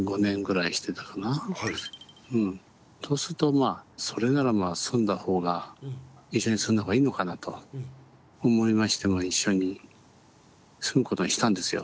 とするとそれなら住んだ方が一緒に住んだ方がいいのかなと思いまして一緒に住むことにしたんですよ。